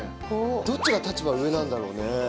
どっちが立場上なんだろうね？